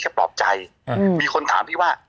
ปลอบใจมีคนถามพี่ว่า